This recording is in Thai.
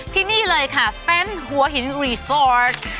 ที่นี่เลยค่ะเป็นหัวหินรีสอร์ท